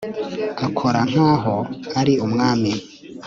Akora nkaho ari umwami